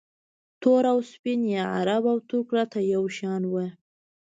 تور او سپین یا عرب او ترک راته یو شان وو